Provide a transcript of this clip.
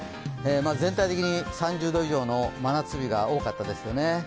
全体的に３０度以上の真夏日が多かったですよね。